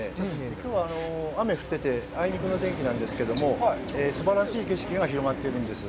きょうは雨降ってて、あいにくの天気なんですけれども、すばらしい景色が広がっているんです。